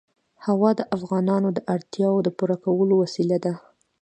هوا د افغانانو د اړتیاوو د پوره کولو وسیله ده.